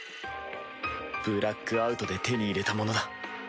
ブラックアウトで手に入れたものだ。